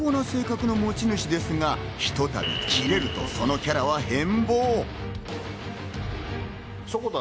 普段は温厚な性格の持ち主ですが、ひとたびキレると、そのキャラは変貌。